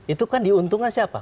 itu kan diuntungkan siapa